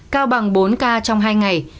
cao bằng bốn ca trong hai ngày